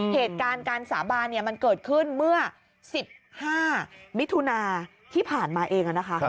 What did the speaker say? เหตุการณ์การสาบานมันเกิดขึ้นเมื่อ๑๕มิถุนาที่ผ่านมาเองนะคะ